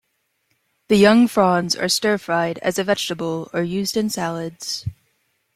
The young fronds are stir-fried as a "vegetable" or used in salads.